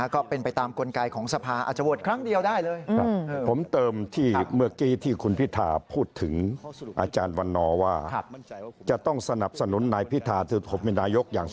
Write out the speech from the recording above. ข้อตกลงพฤษภา๖๖